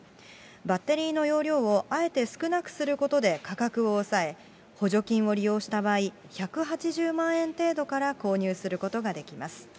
バッテリーの容量をあえて少なくすることで価格を抑え、補助金を利用した場合、１８０万円程度から購入することができます。